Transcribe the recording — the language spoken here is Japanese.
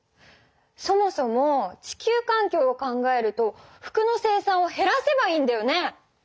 そもそも地球環境を考えると服の生産をへらせばいいんだよね！